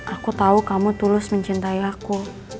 aku tahu kamu tulus mencintai aku